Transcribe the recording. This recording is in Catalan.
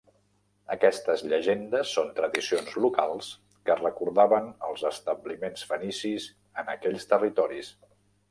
Aquestes llegendes són tradicions locals que recordaven els establiments fenicis en aquells territoris.